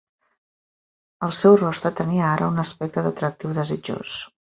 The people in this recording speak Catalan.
Al seu rostre tenia ara un aspecte d'atractiu desitjós.